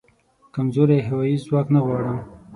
کمزوری هوایې ځواک نه غواړم